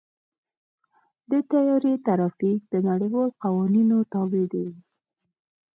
د طیارې ټرافیک د نړیوالو قوانینو تابع دی.